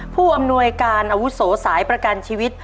ผู้อำนวยการอาวุโสสายประกันชีวิต